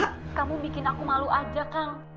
eh kamu bikin aku malu aja kang